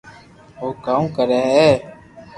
او ڪاو ڪري ھي